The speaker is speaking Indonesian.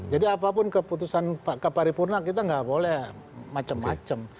jadi apapun keputusan ke paripurna kita gak boleh macem macem